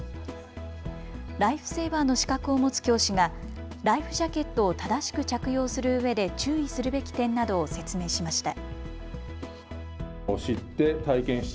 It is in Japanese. ライフセーバーの資格を持つ教師がライフジャケットを正しく着用するうえで注意するべき点などを説明しました。